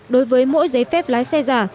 đối với mỗi giấy phép lái xe các loại đều làm giả